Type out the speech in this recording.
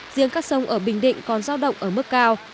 riêng các sông ở bình định còn giao động ở mức cao